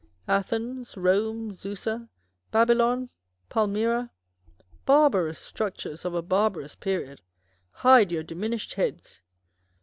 Athens, Eome, Susa, Babylon, Palmyra â€" barbarous structures of a barbarous period â€" hide your diminished heads